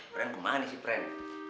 pernah kemana sih pren